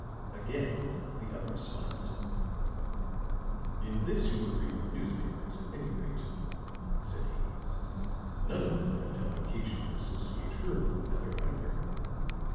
Again the other smiled. "In this you agree with the newspapers, at any rate," said he. "None of them have found occasion to associate her with the matter, either."